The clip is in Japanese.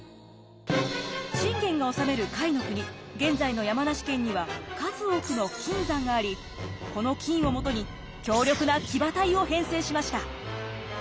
信玄が治める甲斐の国現在の山梨県には数多くの金山がありこの金をもとに強力な騎馬隊を編成しました。